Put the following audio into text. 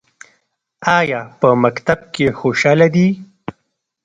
ایا په مکتب کې خوشحاله دي؟